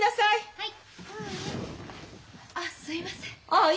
はい。